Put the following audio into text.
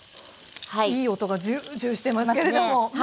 いい音がジュージューしてますけれども。